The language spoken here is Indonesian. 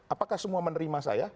apakah semua menerima saya